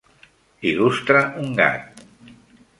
Il·lustra un gat.